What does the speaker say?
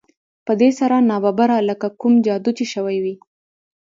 په دې سره ناببره لکه کوم جادو چې شوی وي